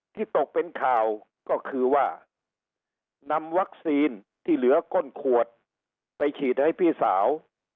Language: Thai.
ตกเป็นข่าวก็คือว่านำวัคซีนที่เหลือก้นขวดไปฉีดให้พี่สาว